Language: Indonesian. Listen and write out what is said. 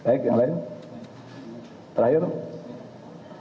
apakah pasal yang bisa dikenakan kepada penyelenggaraan